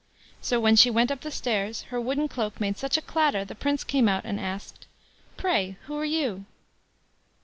So when she went up the stairs, her wooden cloak made such a clatter, the Prince came out and asked: "Pray who are you?"